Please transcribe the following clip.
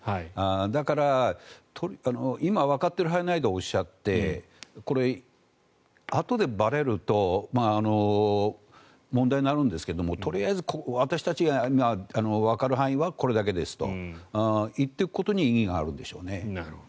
だから、今わかっている範囲内でおっしゃってこれ、あとでばれると問題になるんですけどとりあえず私たちが今、わかる範囲はこれだけですと言っていくことに意義があるんでしょうね。